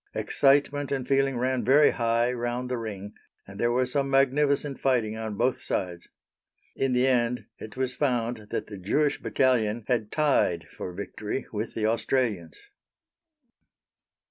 Excitement and feeling ran very high round the ring, and there was some magnificent fighting on both sides. In the end it was found that the Jewish Battalion had tied for victory with the Australians.